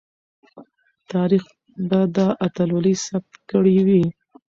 تاریخ به دا اتلولي ثبت کړې وي.